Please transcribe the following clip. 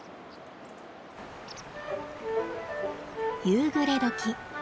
夕暮れ時。